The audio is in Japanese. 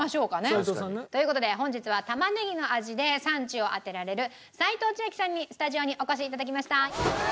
齋藤さんね。という事で本日は玉ねぎの味で産地を当てられる齋藤千明さんにスタジオにお越し頂きました。